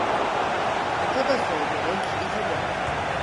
Ata da soy gerek, ite de.